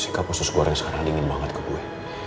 sikap khusus goreng sekarang dingin banget ke kue